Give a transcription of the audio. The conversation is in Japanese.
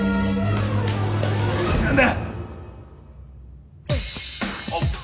何だ？